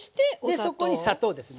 でそこに砂糖ですね。